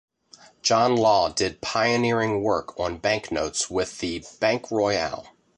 John Law did pioneering work on banknotes with the "Banque Royale".